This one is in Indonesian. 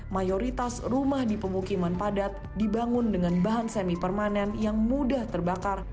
mayoritas rumah di pemukiman padat dibangun dengan bahan semi permanen yang mudah terbakar